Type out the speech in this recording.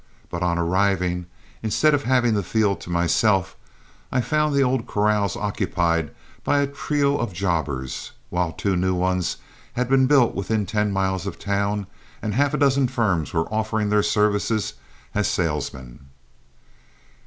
But on arriving, instead of having the field to myself, I found the old corrals occupied by a trio of jobbers, while two new ones had been built within ten miles of town, and half a dozen firms were offering their services as salesmen.